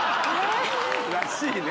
らしいね。